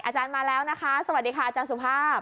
อาจารย์มาแล้วนะคะสวัสดีค่ะอาจารย์สุภาพ